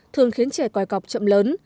thường khiến trẻ còi cọc chậm lớn